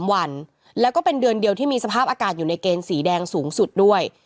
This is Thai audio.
๓วันแล้วก็เป็นเดือนเดียวที่มีสภาพอากาศอยู่ในเกณฑ์สีแดงสูงสุดด้วย